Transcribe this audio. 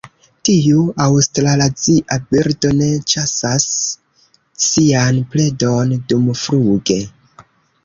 Tiu aŭstralazia birdo ne ĉasas sian predon dumfluge.